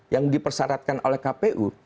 yang dipersyaratkan oleh kpu